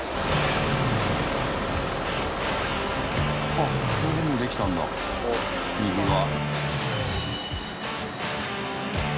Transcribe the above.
あっこれでもうできたんだ右は。